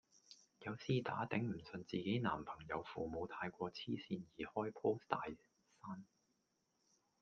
有絲打頂唔順自己男朋友父母太過痴線而開 post 大呻